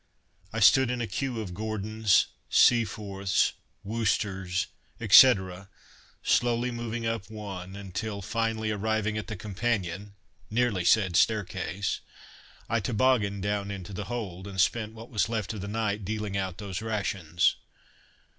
I stood in a queue of Gordons, Seaforths, Worcesters, etc., slowly moving up one, until, finally arriving at the companion (nearly said staircase), I tobogganed down into the hold, and spent what was left of the night dealing out those rations.